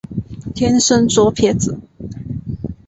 天生左撇子。